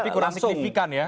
tapi kurang signifikan ya